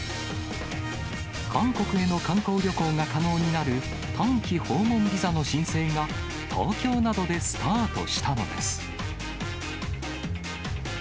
韓国への観光旅行が可能になる、短期訪問ビザの申請が東京などでスタートしたのです。